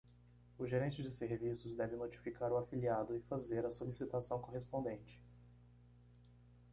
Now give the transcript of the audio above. O gerente de serviços deve notificar o afiliado e fazer a solicitação correspondente.